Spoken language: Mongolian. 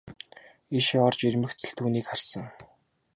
Ийшээ орж ирмэгц л түүнийг харсан.